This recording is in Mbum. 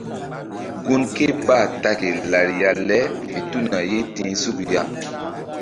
Gun ké bah ta ke lariya le fe tuna ye ti̧h suk ya.